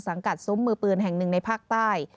สังกัดซุ้มมือปืนแห่งหนึ่งในภาคใต้